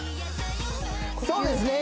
そうですね